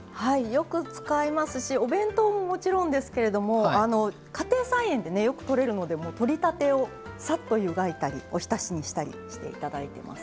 よく使いますしお弁当ももちろんですけれども家庭菜園でねよくとれるのでとりたてをさっと湯がいたりおひたしにしたりしていただいてます。